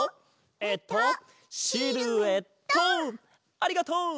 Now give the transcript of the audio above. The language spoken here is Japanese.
ありがとう！